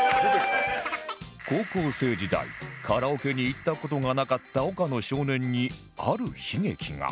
高校生時代カラオケに行った事がなかった岡野少年にある悲劇が